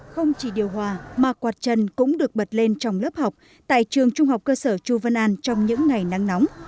không chỉ điều hòa mà quạt chân cũng được bật lên trong lớp học tại trường trung học cơ sở chu văn an trong những ngày nắng nóng